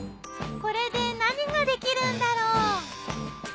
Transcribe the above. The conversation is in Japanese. これで何ができるんだろう。